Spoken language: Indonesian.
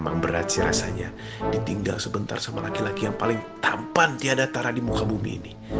memang berat sih rasanya ditinggal sebentar sama laki laki yang paling tampan tiada tara di muka bumi ini